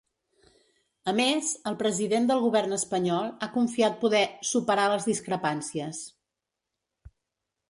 A més, el president del govern espanyol ha confiat poder ‘superar les discrepàncies’.